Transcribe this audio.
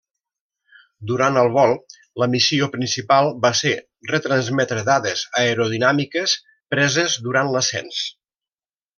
Durant el vol, la missió principal va ser retransmetre dades aerodinàmiques preses durant l'ascens.